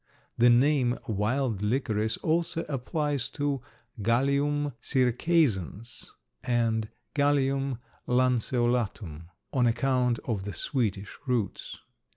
The name, wild licorice, also applies to Galium circaezans and Galium lanceolatum on account of the sweetish roots.